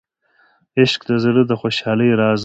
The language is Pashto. عشق د زړه د خوشحالۍ راز دی.